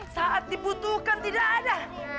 saat dibutuhkan tidak ada